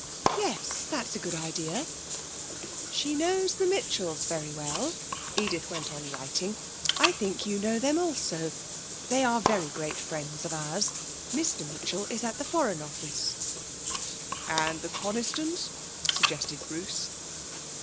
'Yes, that's a good idea. "She knows the Mitchells very well,"' Edith went on writing. '"I think you know them also; they are very great friends of ours. Mr Mitchell is in the Foreign Office."' 'And the Conistons?' suggested Bruce.